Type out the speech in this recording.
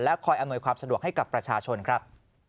คอยอำนวยความสะดวกให้กับประชาชนครับ